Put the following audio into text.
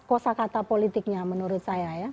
kosa kata politiknya menurut saya ya